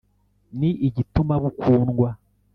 ni igituma bukundwa !…